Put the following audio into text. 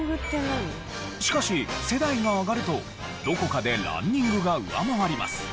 しかし世代が上がるとどこかでランニングが上回ります。